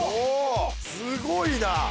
すごいな。